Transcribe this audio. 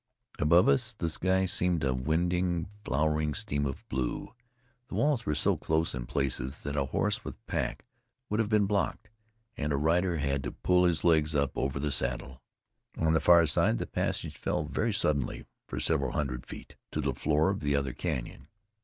Above us the sky seemed a winding, flowing stream of blue. The walls were so close in places that a horse with pack would have been blocked, and a rider had to pull his legs up over the saddle. On the far side, the passage fell very suddenly for several hundred feet to the floor of the other canyon.